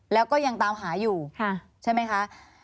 แล้วก็ยังตามหาอยู่ใช่ไหมคะ